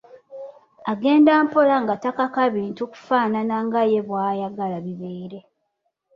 Agenda mpola nga takaka bintu kufaanana nga ye bw’ayagala bibeere.